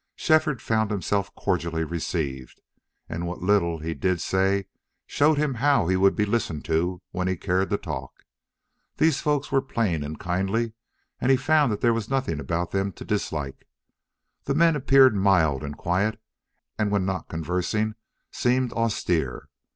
Shefford found himself cordially received, and what little he did say showed him how he would be listened to when he cared to talk. These folk were plain and kindly, and he found that there was nothing about them to dislike. The men appeared mild and quiet, and when not conversing seemed austere.